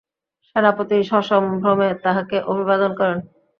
সেনাপতি সসম্ভ্রমে তাঁহাকে অভিবাদন করেন।